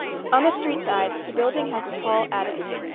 On the street side, the building has a tall attic.